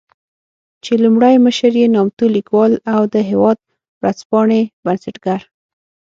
چې لومړی مشر يې نامتو ليکوال او د "هېواد" ورځپاڼې بنسټګر